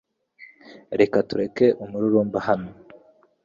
Reka tureke umururumba hano .